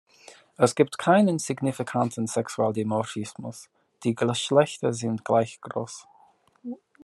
Es gibt keinen signifikanten Sexualdimorphismus, die Geschlechter sind gleich groß.